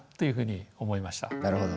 なるほど。